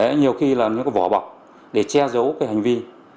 nhiều khi là những vỏ bọc để che giấu hành vi